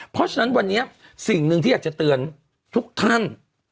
เพราะฉะนั้นวันนี้สิ่งหนึ่งที่อยากจะเตือนทุกท่าน